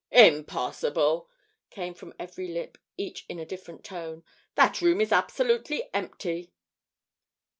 "Impossible!" came from every lip, each in a different tone. "That room is absolutely empty."